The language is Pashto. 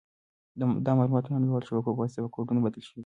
دا معلومات د نړیوالو شبکو په واسطه په کوډونو بدل شوي دي.